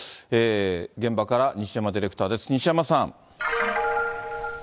現場から西山ディレクターです。